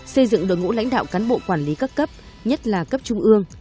xây dựng đội ngũ lãnh đạo cán bộ quản lý các cấp nhất là cấp trung ương